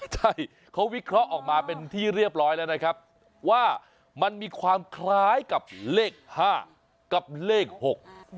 ใช่เขาวิเคราะห์ออกมาเป็นที่เรียบร้อยแล้วนะครับว่ามันมีความคล้ายกับเลขห้ากับเลขหก